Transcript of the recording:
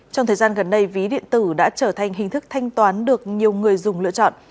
trong thời gian gần đây ví điện tử đã trở thành hình thức thanh toán được nhiều người dùng lựa chọn